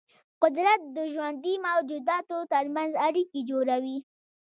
قدرت د ژوندي موجوداتو ترمنځ اړیکې جوړوي.